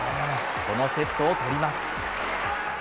このセットを取ります。